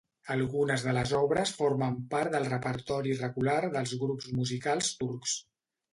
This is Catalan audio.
Algunes de les obres formen part del repertori regular dels grups musicals turcs.